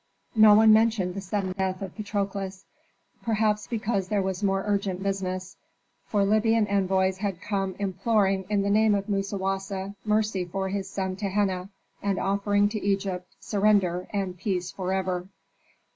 No one mentioned the sudden death of Patrokles; perhaps because there was more urgent business; for Libyan envoys had come imploring in the name of Musawasa mercy for his son Tehenna, and offering to Egypt surrender and peace forever.